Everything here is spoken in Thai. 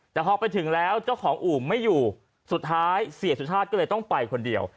แต่พอไปถึงแล้วเจ้าของอู่ไม่อยู่สุดท้ายเสียสุชาติก็เลยต้องไปคนเดียว